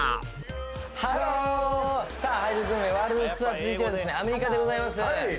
背徳グルメワールドツアー続いてはアメリカでございます。